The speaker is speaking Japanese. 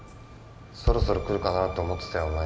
そろそろ来るかなぁと思ってたよ